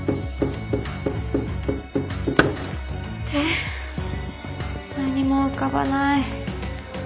って何も浮かばない。